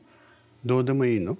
どうでもいいの？